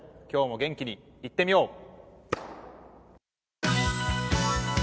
今日も元気にいってみよう。